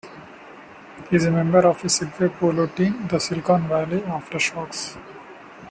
He is a member of a Segway Polo team, the "Silicon Valley Aftershocks".